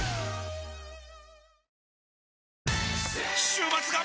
週末が！！